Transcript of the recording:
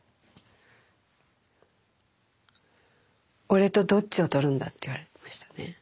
俺とどっちを取るんだって言われましたね